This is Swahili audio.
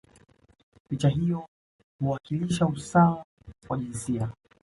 picha hiyo huwakilisha usawa wa jinsia